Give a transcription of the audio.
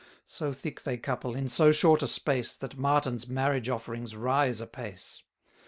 So thick they couple, in so short a space, That Martin's marriage offerings rise apace.